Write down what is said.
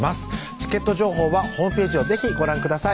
チケット情報はホームページを是非ご覧ください